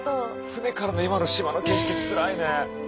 船からの今の島の景色つらいね。